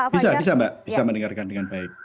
bisa bisa mbak bisa mendengarkan dengan baik